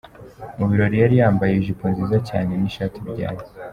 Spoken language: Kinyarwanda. Mu birori yari yambaye ijipo nziza cyane n’ishati bijyanye.